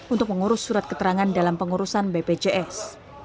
untuk mengurus surat keterangan dalam pengurusan bpjs